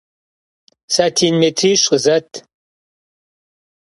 Satin mêtriş khızet.